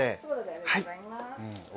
ありがとうございます。